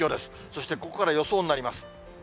そしてここから予想になります。